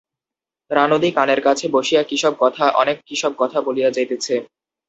রানুদি কানের কাছে বসিয়া কি সব কথা, অনেক কি সব কথা বলিয়া যাইতেছে।